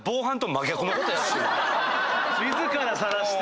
自らさらして。